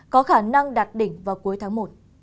có khả năng đạt đỉnh vào cuối tháng một